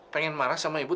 pengen marah sama ibu